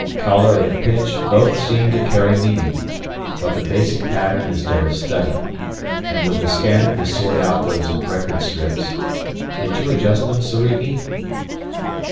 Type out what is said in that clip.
"Color and pitch both seem to carry meaning. But the basic pattern is there to study. And with the scanner to sort out those record strips did you adjust them, Soriki?"